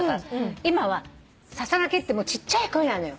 今はささ鳴きってちっちゃい声なのよ。